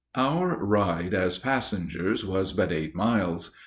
] Our ride, as passengers, was but eight miles.